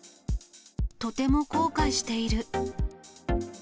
とても後悔している。